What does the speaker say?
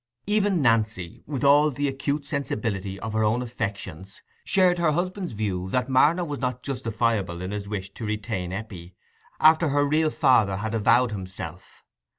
Even Nancy, with all the acute sensibility of her own affections, shared her husband's view, that Marner was not justifiable in his wish to retain Eppie, after her real father had avowed himself.